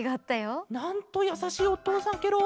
なんとやさしいおとうさんケロ。